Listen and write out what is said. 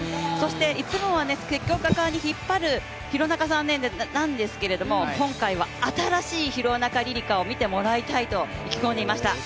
いつもは積極果敢に引っ張る廣中さんなんですけれども、今回は新しい廣中璃梨佳を見てもらいたいと意気込んでいました。